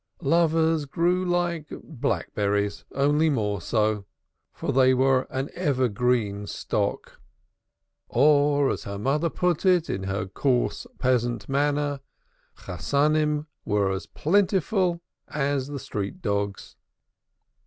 Lovers grew like blackberries only more so; for they were an evergreen stock. Or, as her mother put it in her coarse, peasant manner. Chasanim were as plentiful as the street dogs.